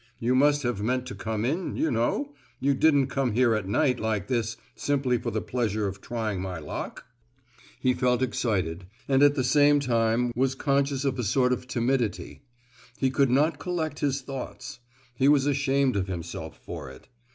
You must have meant to come in, you know; you didn't come here at night, like this, simply for the pleasure of trying my lock?" He felt excited, and at the same time was conscious of a sort of timidity; he could not collect his thoughts. He was ashamed of himself for it.